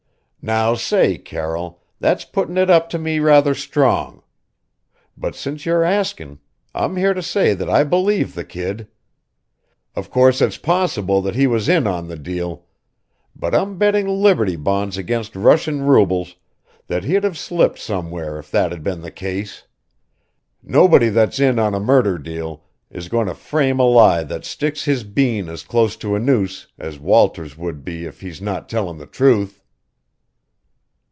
"Now, say, Carroll, that's putting it up to me rather strong; but since you're asking, I'm here to say that I believe the kid. Of course it's possible that he was in on the deal but I'm betting Liberty bonds against Russian rubles that he'd have slipped somewhere if that had been the case. Nobody that's in on a murder deal is going to frame a lie that sticks his bean as close to a noose as Walter's would be if he's not tellin' the truth!"